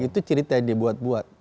itu cerita yang dibuat buat